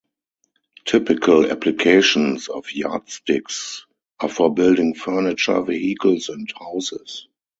Typical applications of yardsticks are for building furniture, vehicles and houses.